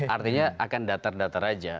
artinya akan datar datar aja